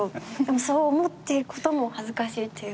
そう思ってることも恥ずかしいっていう。